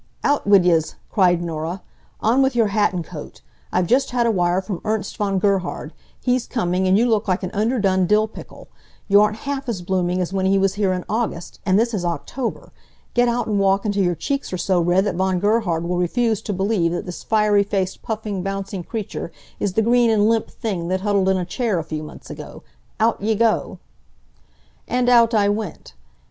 "Out wid yez!" cried Norah. "On with your hat and coat! I've just had a wire from Ernst von Gerhard. He's coming, and you look like an under done dill pickle. You aren't half as blooming as when he was here in August, and this is October. Get out and walk until your cheeks are so red that Von Gerhard will refuse to believe that this fiery faced puffing, bouncing creature is the green and limp thing that huddled in a chair a few months ago. Out ye go!" And out I went.